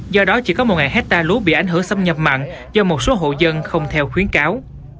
do đó chỉ có một hectare lúa bị ảnh hưởng xâm nhập mặn do một số hộ dân không theo khuyến cáo